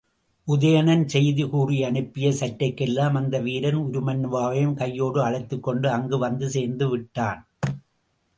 உதயணன் செய்தி கூறி அனுப்பிய சற்றைக்கெல்லாம் அந்த வீரன் உருமண்ணுவாவையும் கையோடு அழைத்துக்கொண்டே அங்கு வந்து சேர்ந்து விட்டான்.